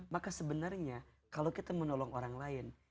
maka sebenarnya kalau kita menolong orang lain